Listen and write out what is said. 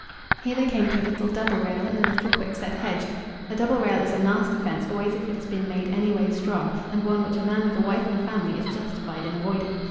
Here they came to a little double rail and a little quick set hedge. A double rail is a nasty fence always if it has been made any way strong, and one which a man with a wife and a family is justified in avoiding.